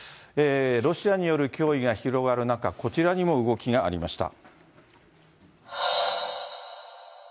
ロシアによる脅威が広がる中、こちらにも動きがありました。